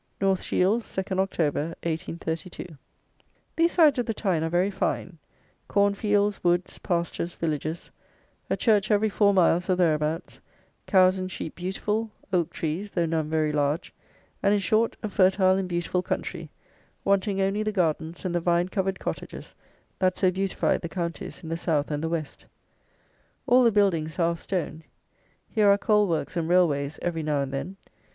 North Shields, 2nd Oct., 1832. These sides of the Tyne are very fine: corn fields, woods, pastures, villages; a church every four miles, or thereabouts; cows and sheep beautiful; oak trees, though none very large; and, in short, a fertile and beautiful country, wanting only the gardens and the vine covered cottages that so beautify the counties in the South and the West. All the buildings are of stone. Here are coal works and railways every now and then.